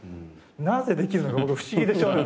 なぜできるのか僕不思議でしょうがない。